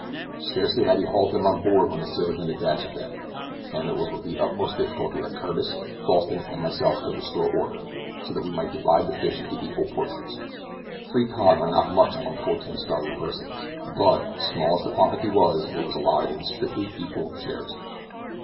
Scarcely had he hauled them on board when the sailors made a dash at them, and it was with the utmost difficulty that Curtis, Falsten and myself could restore order, so that we might divide the fish into equal portions. Three cod were not much among fourteen starving persons, but, small as the quantity was, it was allotted in strictly equal shares.